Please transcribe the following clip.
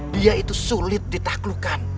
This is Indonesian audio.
dia itu sulit ditaklukkan